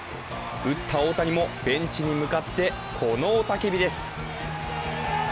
打った大谷もベンチに向かって、この雄たけびです。